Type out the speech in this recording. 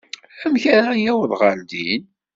Amek ara awḍeɣ ɣer din?